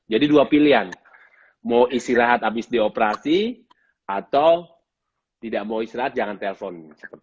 jadi dua pilihan mau istirahat abis dioperasi atau tidak mau istirahat jangan telepon